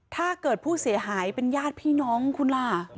ถ้าเกิดผู้เสียหายเป็นญาติพี่น้องคุณล่ะ